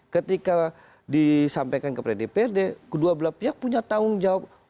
ketika disampaikan ke pd prd kedua belah pihak punya tanggung jawab